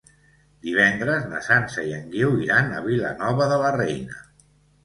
Divendres na Sança i en Guiu iran a Vilanova de la Reina.